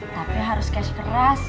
tapi harus cash keras